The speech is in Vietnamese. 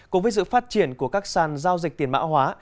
cùng với sự phát triển của các sàn giao dịch tiền mã hóa